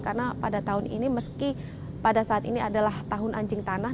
karena pada tahun ini meski pada saat ini adalah tahun anjing tanah